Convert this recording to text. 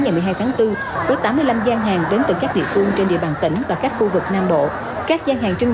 chín năm gian hàng đến từ các địa phương trên địa bàn tỉnh và các khu vực nam bộ các gian hàng trưng